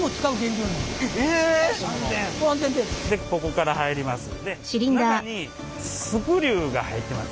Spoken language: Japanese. ここから入ります。